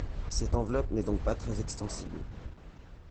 Cette enveloppe n’est donc pas très extensible.